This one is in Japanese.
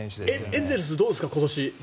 エンゼルスどうですか、今年。